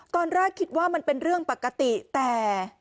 ตอนแรกคิดว่ามันเป็นเรื่องปกติแต่